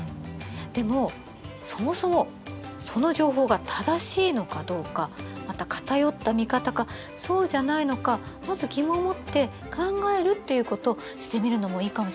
でもそもそもその情報が正しいのかどうかまた偏った見方かそうじゃないのかまず疑問を持って考えるっていうことしてみるのもいいかもしれないね。